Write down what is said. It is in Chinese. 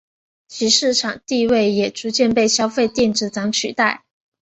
其市场地位也逐渐被消费电子展取代。